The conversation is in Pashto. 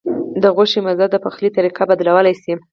د غوښې مزه د پخلي طریقه بدلولی شي.